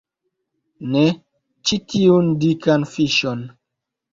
Ne, ĉi tiun dikan fiŝon